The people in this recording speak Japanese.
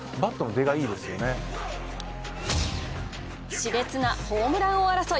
しれつなホームラン王争い